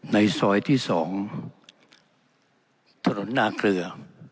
ในซอยที่๒ถนนนาเกลือ